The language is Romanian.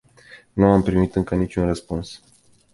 Nu am primit încă niciun răspuns.